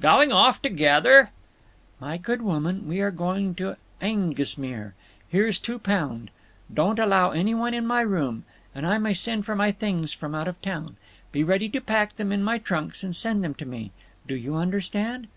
"Going off together—" "My good woman, we are going to Aengusmere. Here's two pound. Don't allow any one in my room. And I may send for my things from out of town. Be ready to pack them in my trunks and send them to me. Do you understand?"